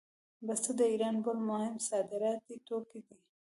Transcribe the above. پسته د ایران بل مهم صادراتي توکی دی.